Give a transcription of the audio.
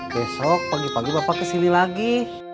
besok pagi pagi bapak kesini lagi